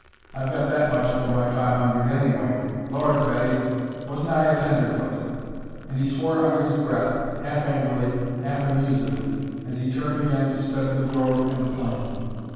I've got that much for my five hundred, anyway. Lord, Betty, wasn't I a tenderfoot!" and he swore under his breath, half angrily, half amusedly, as he turned again to study the road and the plain.